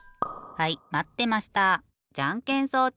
はいまってました！